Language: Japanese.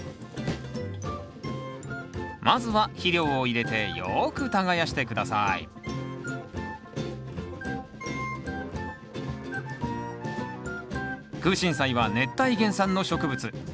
まずは肥料を入れてよく耕して下さいクウシンサイは熱帯原産の植物。